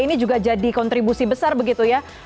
ini juga jadi kontribusi besar begitu ya